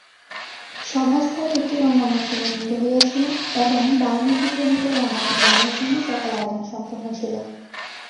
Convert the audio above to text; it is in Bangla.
সভাস্থলে একটি রঙ্গমঞ্চ নির্মিত হইয়াছিল এবং বাল্মীকিপ্রণীত রামায়ণ-গানের জন্য সকল আয়োজন সম্পূর্ণ ছিল।